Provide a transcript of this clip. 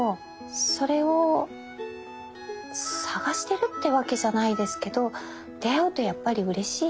それを探してるってわけじゃないですけど出会うとやっぱりうれしいですよね。